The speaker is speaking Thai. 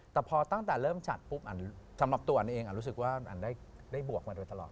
แต่พอตั้งแต่เริ่มจัดปุ๊บสำหรับตัวอ่านเองอ่านได้บวกมาเยอะแทบตลอด